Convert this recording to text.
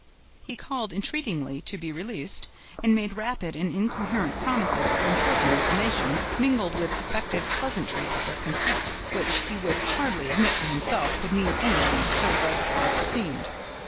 He called entreatingly to be released, and made rapid and incoherent promises of important information, mingled with affected pleasantry at their conceit, which he would hardly admit to himself could mean anything so dreadful as it seemed.